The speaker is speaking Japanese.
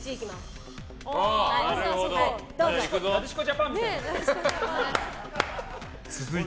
なでしこジャパンみたい。